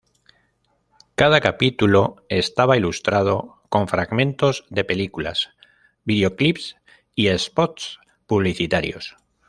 Cada capítulo estaba ilustrado con fragmentos de películas, videoclips i spots publicitarios.